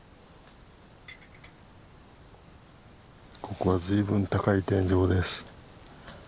ここは随分高い天井です。